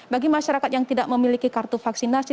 bagi masyarakat yang tidak memiliki kartu vaksinasi